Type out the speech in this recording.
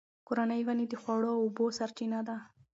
کورني ونې د خواړو او اوبو سرچینه ده.